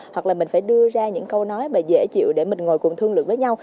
hoặc là mình phải đưa ra những câu nói mà dễ chịu để mình ngồi cùng thương lượng với nhau